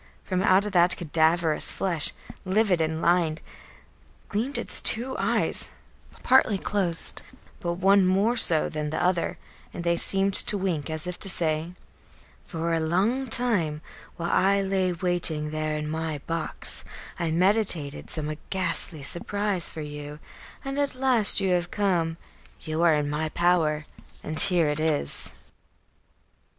From out the cadaverous flesh, livid and lined, gleamed its two eyes, partly closed, but one more so than the other, and they seemed to wink, as if to say: "For a long time, while I lay waiting there in my box, I meditated some ghastly surprise for you, and at last you have come; you are in my power, and here it is."